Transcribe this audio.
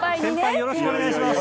よろしくお願いします。